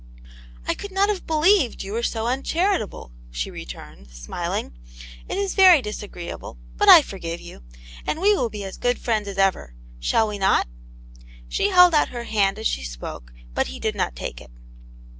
" I could not have believed you were so uncharit able," she returned, smiling. " It is very disagreeable, but I forgive you, and we will be as good friends as ever ; shall we not ?" She held out her hand, as she spoke, but he did not take it.